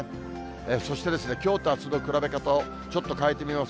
そして、きょうとあすの比べ方をちょっと変えてみます。